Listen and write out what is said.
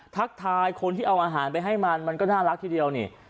ทักทายคนที่เอาอาหารไปให้มันมันก็น่ารักทีเดียวนี่